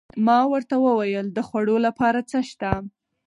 ما ورته وویل: د خوړو لپاره څه شته؟